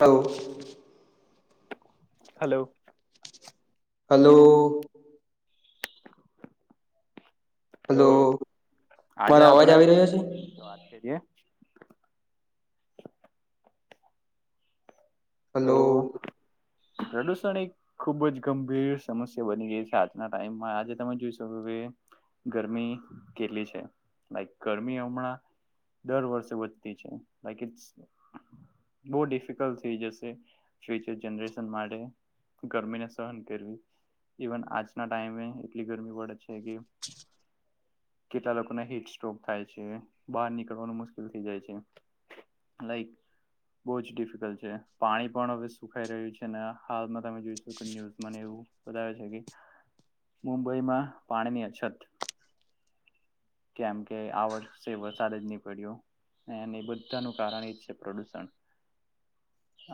Hello hello hello તો hello આજે મારો અવાજ આપણે આવી રહ્યો છે વાત છે હલો પ્રદૂષણ એક ખુબ જ ગંભીર સમસ્યા બની ગઈ છે આજના ટાઈમમાં આજે તમે જોઈ શકો કે ગરમી કેટલી છે લક ગરમી હમણાં દર વર્ષે વધતી છે લક ઇ બહુ ડિફિકલ્ટ થઈ જશે સ્ચર જનરેશન માટે ગરમીને સહન કરવી ઇવન આજના ટાઈમે એટલી ગરમી પડે છે કે કેટલા લોકોને હીટ સ્રોક થાય છે બહાર નીકળવાનું મુશ્કેલ થઈ જાય છે લાઈક બહ જ ડિફિકલ્ટ છે પાણી પણ હવે સુખાઈ રહ્યું છે હાલમાં તમે જોઈશ કે ન્યૂઝ મને એવું બતાવે છે કે મુંબઈમાં પાણીની અછત કેમ કે આ વર્ષે વરસાદ જ નહી પડ્યો બધાનું કારણ એ જ છે પ્રદુષણ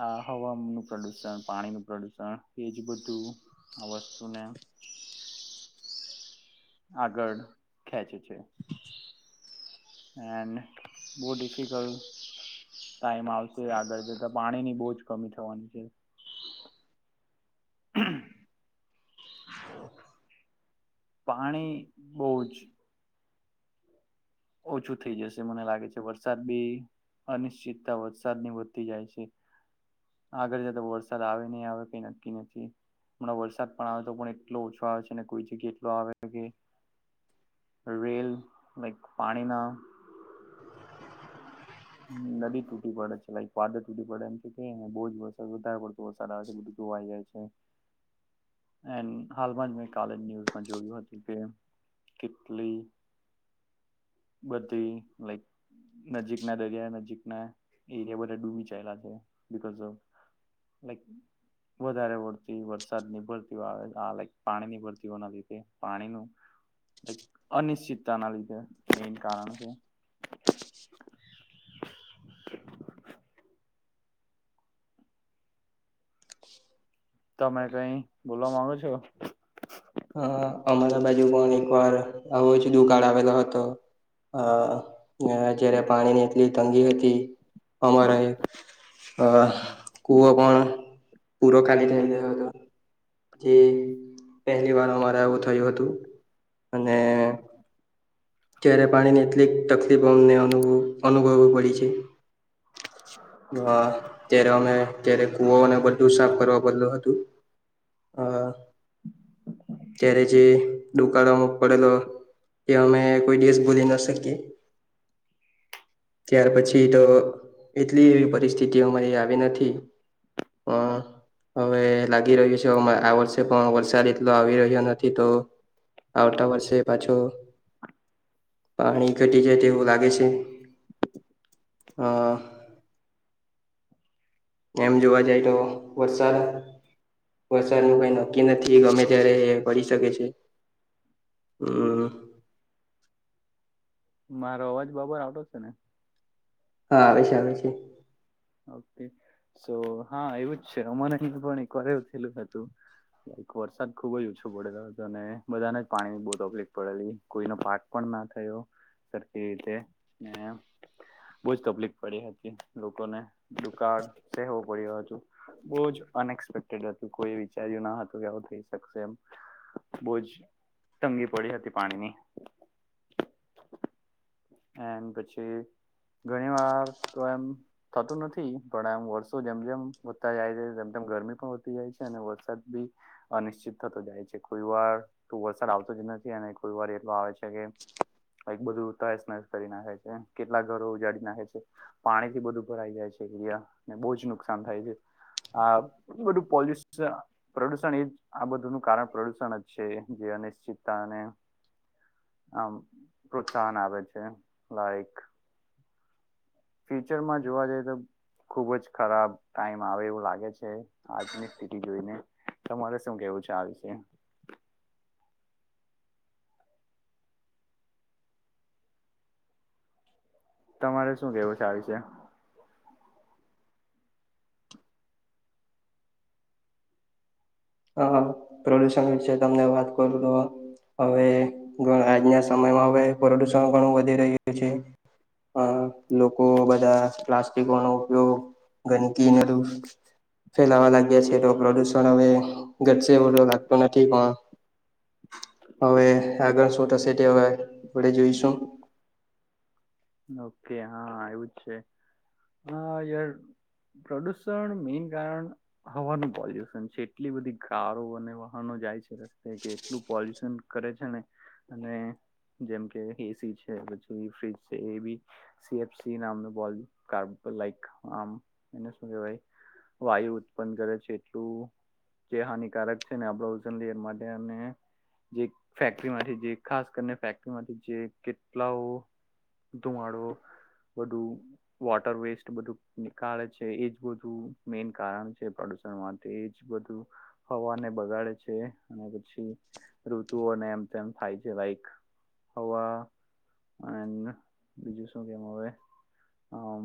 આ હવાનું પ્રદુષણ પાણીનુંું પ્રદુષણ એજ બધું આ વસ્તુને આગળ ખેંચે છે એડ બહ ડિફિકલ્ટ ટાઈમ આવશે આગળ જતા પાણી ની બહ જ કમી થવાની છે હ પાણી બહુ જ ઓછું થઈ જશે મને લાગે છે વરસાદ બી અનિશ્ચિતતા વરસાદ ની વધતી જાય છે આગળ જતા વરસાદ આવે નહી આવે કઈ નક્કી નથી હમણા વરસાદ પણ આવે તો પણ એટલો ઓછો આવે છે અને કોઈ જગ્યા એટલો આવે કે રેલ પાણીના હ નદી તૂટી પડે છે લક વાદ તૂટી પડે એમ કે કેને બોજ વરસાદ વધારે પડતો તો સારા બધું ધોવાઈ જાય છે હમ હાલમાં મે કલેજ ન્યુઝ જોયું હતું કે કેટલી બધી લાઈક નજીક ના દરિયા નજીક ના એરિયા બધા ડૂબી ચલા છે બ ઓ વધારે વતી વરસાદ ની ભરતી આવે આ લક પાણીની ભરતી હોના લીધે પાણીનું અનિશ્ચિતતાના લીધે એન કારણ છે તમે કઈ બોલવા માંગો છો અ અમારા બાજુ પણ એકવાર આવો જ દુકાળ આવેલો હતો અ જયારે પાણીની એટલી તંગી હતી અમારા એક કૂવ પણ પૂરો ખાલી થઈ ગયો હતો જે પહેલી વાર અમારે એવું થયું હતું અને ત્યારે પાણીની એટલીક તકલીફો અમને અનુ અનુભવવી પડી છે ત્યારે અમે ત્યારે કુવને બધું સાફ કરવા બદલું હતું અ ત્યારે જે દુકાળમાં પડેલો તે અમે કોઈ દિવસ ભૂલી ના શકી ત્યાર પછી તો એટલી એવી પરિસ્થિતિ અમારી આવી નથી અ હવે લાગી રહ્યું છે આ વર્ષે પણ વરસાદ એટલો આવી રહ્યો નથી તો આવતા વર્ષે પાછો પાણી ઘટી જાય તેવું લાગે છે આ એમ જોવા જાય તો વરસાદ વરસાદ ન કઈ નક્કી નથી ગમે ત્યારે એ પડી શકે છે હમ મારો અવાજ બબર આવડો છે ને હા આવેશે આવેશેે ઓ સો હા એવું જ છે હમને અહી પણ એકવાર એવું થયેલું હતું કે વરસાદ ખુબ જ ઓછો પડેલો હતો ને બધાને જ પાણીની બહુ તકલીફ પડેલી કોઈનો પાક પણ ના થયો સરખી રીતે ને બહુજ તકલીફ પડી હતી લોકોને દુકાળ સહેવો પડ્યો હતું બહુ જ અનએક્સપેક્ટેડ હત કોઈએ વિચાર્યું ના હતું કે આવું થઈ શકશે એમ બોજ તંગી પડી હતી પાણીની એમ પછી ઘણી વાર તો એમ થતું નથી. પણ આમ વર્ષો જેમ જેમ વધતા જાય છે તેમ તેમ ગરમી પણ વધતી જાય છે અને વરસાદ બી અનિશ્ચિત થતો જાય છે. કોઈ વાર તો વરસાદ આવતો જ નથી અને કોઈ વાર એ આવે છે કે એક બધું તો નાશ કરી નાખે છે કેટલા ઘરો ઉજાડી નાખે છે પાણીથી બધું ભરાઈ જાય છે એરિયાને બહુ જ નુકસાન થાય છે આ બધું પોલ્ય પ્રદુષણ એ જ આ બધું નુ કારણ પ્રદુષણ જ છે જે અનિશ્ચિતતા અને આ પ્રોત્સાહન આવે છે. છે લાઈક ફ્યુચરમાં જોવા જઈ તો ખુબ જ ખરાબ ટાઈમ આવે એવું લાગે છે. આજની સ્થિતિ જોઈને તમારે શું કેવું છે આ વિશે તમારે શું કેવું છે આ વિશે હ પ્રદુષણ વિશે તમને વાત કરું તો હવે આજના સમયમાં હવે પ્રદુષણ ઘણું વધી રહ્યું છે અ લોકો બધા પ્લાસ્ટિકનો ઉપયોગ ગંદકીને બધુ ફેલાવા લાગ્યા છે તો પ્રદુષણ હવે ઘટશે એવું લાગતુ નથી પણ હવે આગળ શું થશે તે આપડે જોઈશું ઓકે હા એવું જ છે યાર પ્રદુષણ મેઈન કારણ હવાનું પોલ્યુશન છે એટલી બધી કારો અને વાહનો જાય છે રસ્તે કે એટલું પોલ્યુશન કરે છે ને અને જેમ કે એસી છે પછી fridge A B C F C નામનુ કાર લાઈક આમ એને શું કેવાય વાયુ ઉત્પન કરે છે એટલું જે હાનિકારક છેને આપણે ઓઝન લેશે એ માટે અને ફેકટરીમાંથી જે ખાસ કરીને ફેકટરીમાંથી જે કેટલાઓ ધુમાડો બધું વોટર વેસ્ટ બધું નીકાળે છે એજ બધું મેન કારણ છે પ્રદુષણ માટે એજ બધું હવાને બગાડે છે અને પછી ઋતુને એમ તેમ થાય છે લઇક હવા બીજું શું કેમ હવે અમ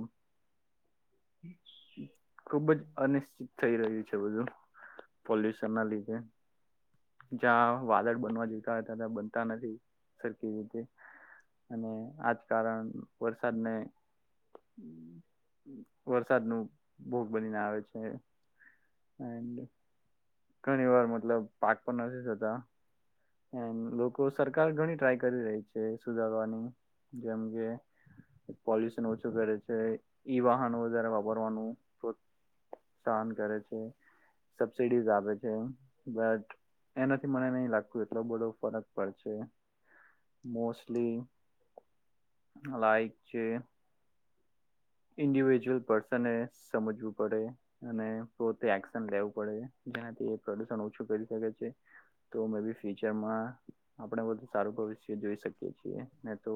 [inaudible] ખુબ જ અનિશ્ચિત થઈ રહ્યું છે. છે બધુ પોલ્યુશન ના લીધે જ્યાં વાદળ બનવા જતા હોતા ત્યાં બનતા નથી સરખી રીતે અને આજ કારણ વરસાદને વરસાદનો ભોગ બનીને આવે છે. [inaudible] ઘણી વાર મતલબ પાક પણ નથી થતા એન લોકો સરકાર ઘણી ટ્રાય કરી રહી છે સુધારવાની જેમ કે પોલ્યુશન ઓછું કરે છે ઈ વાહનો વધારે વાપરવાનું સહન કરે છે. સબસિડીઝ આપે છે એ બટ એનાથી મને નહી લાગ તુ એટલો બધો ફરક પડ છે મોસ્ટલી લઇક છે. ઇન્ડિવિજુઅલ પર્સનને સમજવું પડે અને પોતે એક્શન લેવું પડે જેનાથી પ્રદુષણ છું કરી શકે છે તો મે બી ફુયુચરમાં આપણે વધુ સારું ભવિષ્ય જોઈ શક કીએ છીએ ને તો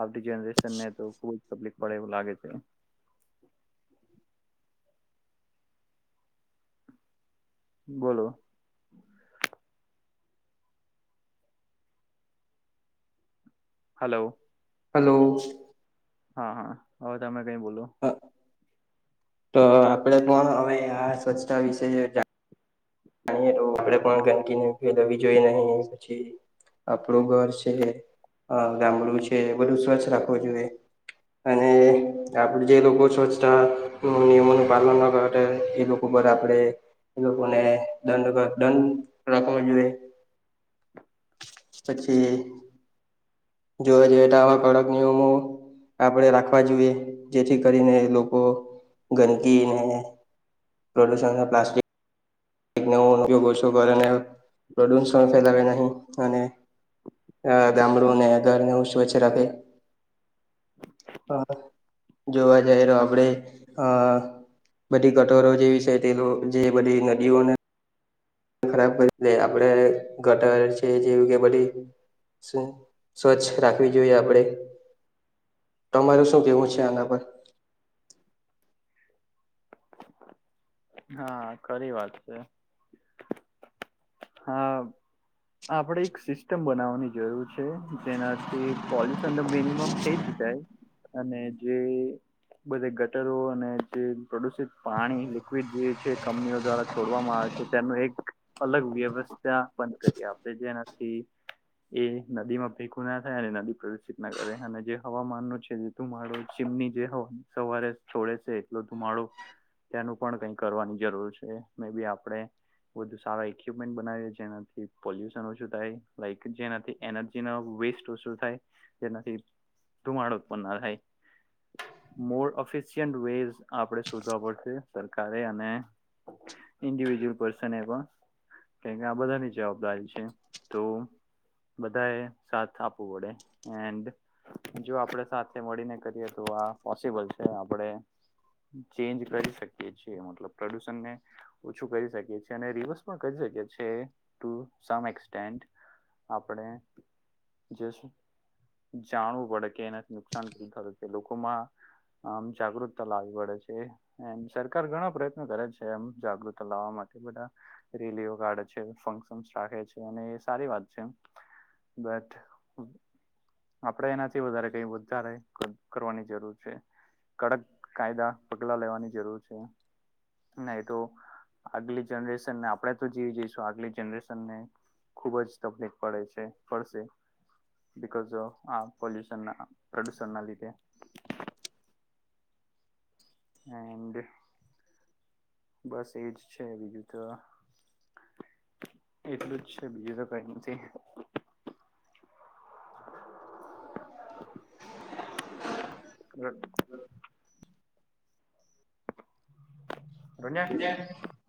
આપણી જનરેશન ને તો ખુબ જ તકલીફ પડે એવું લાગે છે. [inaudible] બોલો હલો હલો. હા હા હવે તમે કઈ બોલો. તો આપડે કોણ હવે આ સ્વચ્છતા વિશે જા બાકીને [unintelligible] જોઈએ નહીં પછી આપણું ઘર છે, અ ગામડું છે બધું સ્વચ્છ રાખવું જોઈએ અને આપણું જે લોકો સ્વચ્છતા નિયમોનું પાલન ન કરે એ લોકો પર આપણેે એ લોકોને દંડ ક દંડ રાખવા જોઈએ પછી જોવા જઈએ તો આવા કડક નિયમો આપણે રાખવા જોઈએ જેથી કરીને લોકો ગંદકીને પ્રોલ્યુષના પ્લાસ્ટિક ન ઉપયોગ ઓછો કર અને પ્રદૂષણ એવું ફેલાવે નહીં અને ગામડુંને ઘરને એવું સ્વચ્છ રાખે હ જોવા જાઈએ તો આપણે અ આ બધી ગટરો જે છે તે જે બધી ન જીવને ખરાબ કરી દેય આપણે ગટર છે જેવું કે બધી સ્વચ્છ રાખવી જોઈએ આપડે તમારું શું કેવું છે આના પર? હા, ખરી વાત છે હા આપડે એક સિસ્ટમ બનાવવાની જરૂર છે જેનાથી પોલ્યુશન તો મિનિમમ થઈ જ જાય અને જે બધે ગટરો અને જે પ્રદુષિત પાણી કંપનીઓ દ્વારા તોડવામાં આવે છે તેનું એક અલગ વ્યવસ્થા બંધ કરીએ આપણે જેનાથી એ નદીમાં ભેગું ના થાય અને નદી પ્રદુષિત ના કરે અને જે હવામાનનો છે ધુમાડો ચીમની જે સવારે છોડે છે એટલો ધુમાડો તેનું પણ કંઈ કરવાની જરૂર છે મે બી આપણે બધુ સારા ઈક્વિપમેન્ટ બનાવીએ જેનાથી પોલ્યુશન ઓછું થાય લાઈક જેનાથી એનર્જીનો વેસ્ટ ઓછું થાય તેનાથી ધુમાડો ઉત્પન ના થાય. મોર ઓફિશિયન્ટ વેઈઝ આપણે શોધવા પડશે. ધાએ અને ઇન્ડિવિજુઅલ પર્સન એ પણ કેમકે આ બધાની જવાબદારી છે. તો બધાએ સાથ આપવું પડે એન્ડ જો આપણે સાથે મળીને કરીએ તો આ પોસિબલ છે આપણે ચેન્જ કરી શક છીએ મતલબ પ્રદુષણને ઓછું કરી શકીએ છીએ અને રિવર્સ પણ કરી શકીએ છીએ ટુ સમ એકસટેન્ડ આપણે જસ્ટ જાણવું પડે કે એનાથી નુકસાન કેટલુ થતું છે લોકોમાં આમ જાગૃતતા લાવી પડે છે એન્ડ સરકાર ઘણા પ્રયત્નો કરે છે એમ જાગૃતતા લાવવા માટે બધા રેલીઓ કાઢે છે, ફંક્શન રાખે છે અને એ સારી વાત છે. બટ આપડે એનાથી વધારે કઈ વધારે કરવાની જરૂર છે. કડક કાયદા પગલા લેવાની જરૂર છે. ના તો આગલી જનરેશનને આપણે તો જીવી જઈશું આગલી જનરેશનને ખુબ જ તકલીફ પડે છે પડશે બિકોઝ ઓ આ પોલ્યુશન પ્રદુષણ ના લીધે. એન્ડ બસ એજ છે બીજું તો એટલું જ છે બીજું તો કંઈ નથી. [inaudible] [unintelligible]